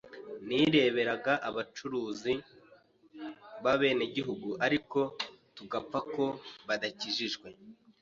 nireberaga aba bacuruzi b’abenegihugu ariko tugapfa ko badakijijwe,